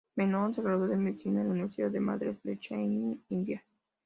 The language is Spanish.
Menon se graduó de medicina en la Universidad de Madrás, en Chennai, India.